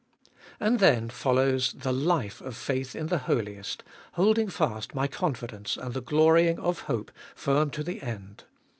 And then follows, the life of faith in the Holiest, holding fast my confidence and the glorying of hope firm to the end.